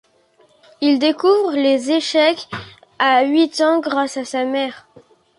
Il découvre les échecs à huit ans grâce à sa mère.